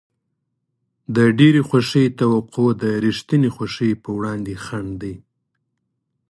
د ډېرې خوښۍ توقع د رښتینې خوښۍ په وړاندې خنډ دی.